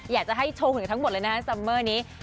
อยากจะให้ชมถึงทั้งหมดเลยนะฮะซัมเมอร์นี้